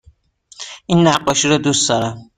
این نقاشی را دوست دارم.